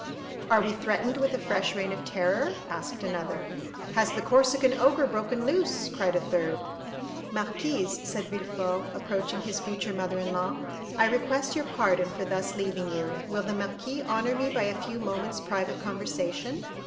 "Are we threatened with a fresh Reign of Terror?" asked another. "Has the Corsican ogre broken loose?" cried a third. "Marquise," said Villefort, approaching his future mother in law, "I request your pardon for thus leaving you. Will the marquis honor me by a few moments' private conversation?"